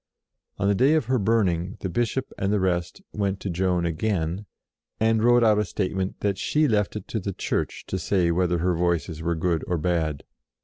On the day of her burning, the Bishop and the rest went to Joan again, and wrote out a statement that she left it to the Church to say whether her Voices were good or bad.